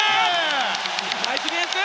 ナイスディフェンス！